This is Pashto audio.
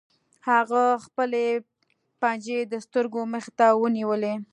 هغه خپلې پنجې د سترګو مخې ته ونیولې